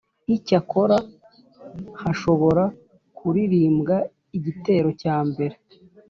Icyakora hashobora kuririmbwa igitero cya mbere